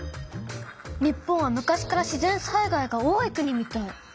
日本は昔から自然災害が多い国みたい。